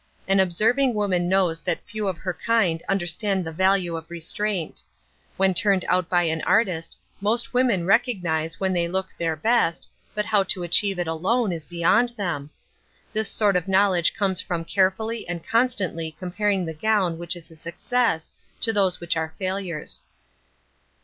An observing woman knows that few of her kind understand the value of restraint. When turned out by an artist, most women recognise when they look their best, but how to achieve it alone, is beyond them. This sort of knowledge comes from carefully and constantly comparing the gown which is a success with those which are failures.